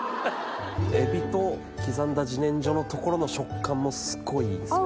エビと刻んだ自然薯のところの食感もすっごいいいですね。